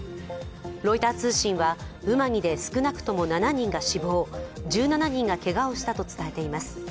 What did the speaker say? ロイター通信はウマニで少なくとも７人が死亡、１７人がけがをしたと伝えています。